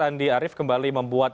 andi arief kembali membuat